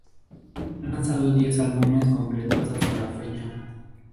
Ha lanzado diez álbumes completos hasta la fecha.